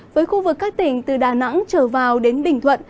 với khu vực các tỉnh từ đà nẵng trở vào đến bình thuận